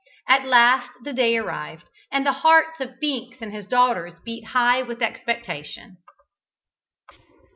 At last the day arrived, and the hearts of Binks and his daughters beat high with expectation.